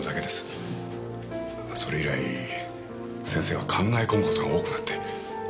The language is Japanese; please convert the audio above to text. それ以来先生は考え込む事が多くなって。